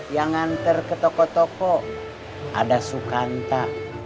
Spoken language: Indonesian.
yang nganter ke toko toko ada sukanta